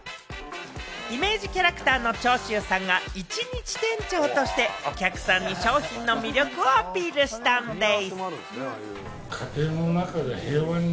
イメージキャラクターの長州さんが１日店長としてお客さんに商品の魅力をアピールしたんでぃす。